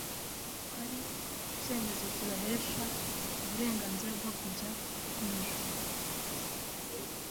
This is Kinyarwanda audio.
ari icyemezo kibahesha uburengarizira bwo kujya mu ijuru;